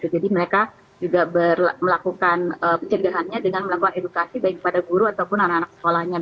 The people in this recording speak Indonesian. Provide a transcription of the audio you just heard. jadi mereka juga melakukan pencegahannya dengan melakukan edukasi baik kepada guru ataupun anak anak sekolahnya